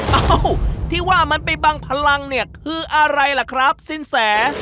เอ้าที่ว่ามันไปบังพลังเนี่ยคืออะไรล่ะครับสินแส